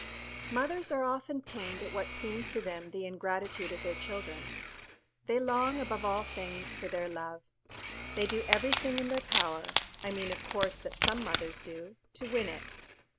Mothers are very often pained at what seems to them the ingratitude of their children. They long, above all things, for their love. They do every thing in their power I mean, of course, that some mothers do to win it.